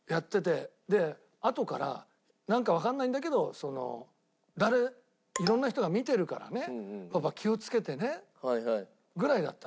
であとからなんかわかんないんだけどその「色んな人が見てるからねパパ気をつけてね」ぐらいだったの。